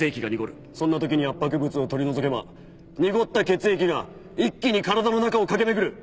そんなときに圧迫物を取り除けば濁った血液が一気に体の中を駆け巡る。